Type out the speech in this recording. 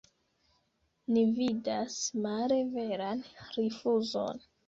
Ni vidas male veran rifuzon.